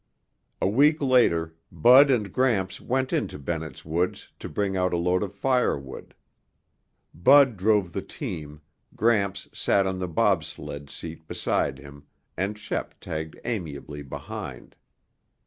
A week later, Bud and Gramps went into Bennett's Woods to bring out a load of firewood. Bud drove the team, Gramps sat on the bobsled seat beside him and Shep tagged amiably behind.